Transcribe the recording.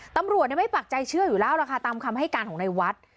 ตำรวจไม่ปักใจเชื่ออยู่แล้วล่ะค่ะตามคำให้การของในวัด